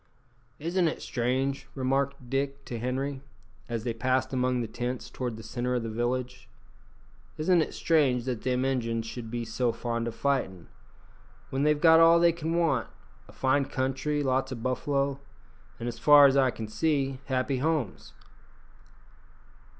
"Isn't it strange," remarked Dick to Henri, as they passed among the tents towards the centre of the village "isn't it strange that them Injuns should be so fond o' fightin', when they've got all they can want a fine country, lots o' buffalo, an', as far as I can see, happy homes?"